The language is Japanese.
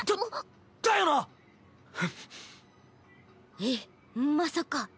えっまさか。